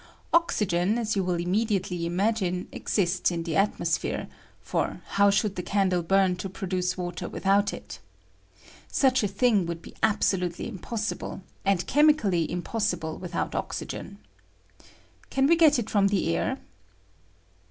Oxy gen, as you wiU immediately imagine, exists in the atmospliere ; for how should the candle bum to produce water without it? Such a thing would be absolutely impossible, and chem ically impossible without oxygen. Can we ^^V no PREPARATION OP OXYGEN. I get it from the air